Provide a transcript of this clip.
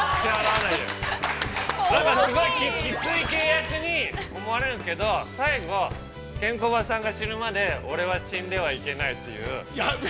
◆だから、すごいきつい契約に思えるけど、最後、ケンコバさんが死ぬまで、俺は死んではいけないという。